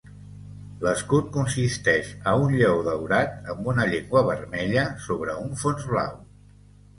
L'escut consisteix a un lleó daurat amb una llengua vermella sobre un fons blau.